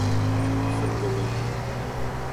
Sandolândia